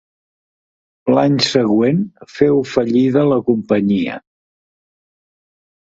L'any següent féu fallida la companyia.